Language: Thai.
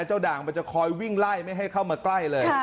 ด่างมันจะคอยวิ่งไล่ไม่ให้เข้ามาใกล้เลย